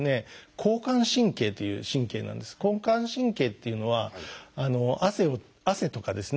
交感神経っていうのは汗とかですね